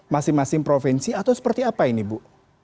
masing masing provinsi atau seperti apa ini bu